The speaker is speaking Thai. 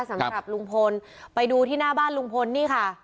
สำหรับลุงพลไปดูที่หน้าบ้านลุงพลนี่ค่ะ